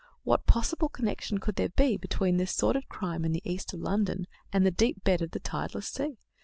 What possible connection could there be between this sordid crime in the east of London and the deep bed of the "tideless sea"?